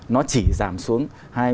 nó chỉ giảm xuống